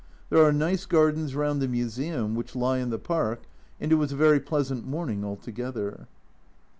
There are nice gardens round the Museum, which lie in the Park, and it was a very pleasant morning altogether.